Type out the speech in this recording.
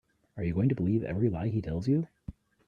Are you going to believe every lie he tells you?